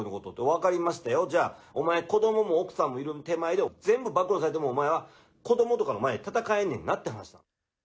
分かりましたよ、じゃあ、お前、子どもも奥さんもいる手前で、全部暴露されても、お前は子どもとかの前で戦えねんなって話。